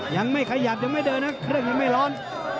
ยังไม่ขยับยังไม่เดินนะเครื่องยังไม่ร้อน